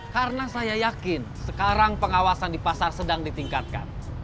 karena saya yakin sekarang pengawasan di pasar sedang ditingkatkan